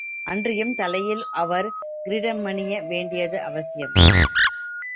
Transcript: அன்றியும் தலையில் அவர் கிரீடமணிய வேண்டியது அவசியம்.